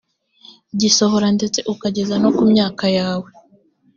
gisohora ndetse ukageza no ku myaka yawe